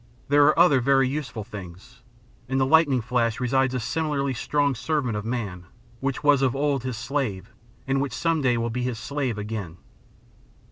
There are other very useful things. In the lightning flash resides a similarly strong servant of man, which was of old his slave and which some day will be his slave again.